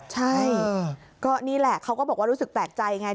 ใช่ก็นี่แหละเขาก็บอกว่ารู้สึกแปลกใจไง